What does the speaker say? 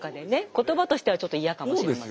言葉としてはちょっと嫌かもしれませんね。